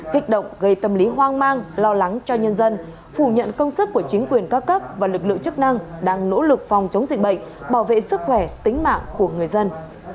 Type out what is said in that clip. kích động gây tâm lý hoang mang lo lắng cho nhân dân phủ nhận công sức của chính quyền cao cấp và lực lượng chức năng đang nỗ lực phòng chống dịch bệnh bảo vệ sức khỏe tính mạng của người dân